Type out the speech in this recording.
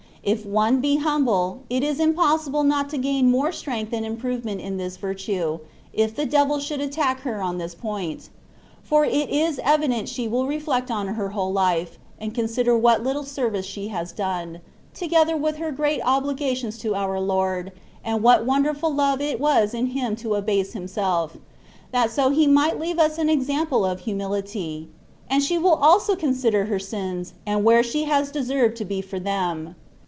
If one be humble, it is impossible not to gain more strength and improvement in this vir tue, if the de^dl should attack her on this point ) for it is evident she will reflfect on her whole life, and consider what little service she has done, together with her great obligations to our Lord, and what wonderful love it was in Him to abase Himself, that so He might leave us an example of humility ; and she will also consider her sins, and where she has deserved to be for them.